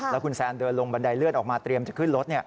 แล้วคุณแซนเดินลงบันไดเลือดออกมาเตรียมจะขึ้นรถ